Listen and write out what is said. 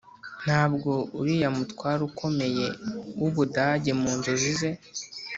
ntabwo uriya mutware ukomeye wubudage mu nzozi ze